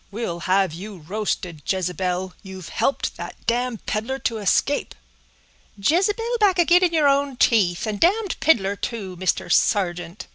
"We'll have you roasted, Jezebel!—you've helped that damned peddler to escape." "Jezebel back ag'in in your own teeth, and damned piddler too, Mr. Sargeant!"